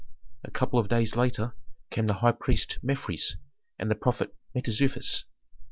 A couple of days later came the high priest Mefres and the prophet Mentezufis.